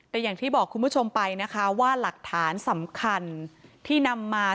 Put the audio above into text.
แต่อย่างที่บอกคุณผู้ชมไปนะคะว่าหลักฐานสำคัญที่นำมา